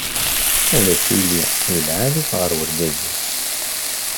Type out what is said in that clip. Ad tili d lεali-tt ɣer urgaz-is.